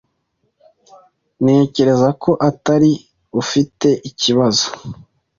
Ntekereza ko atari ufite ikibazo.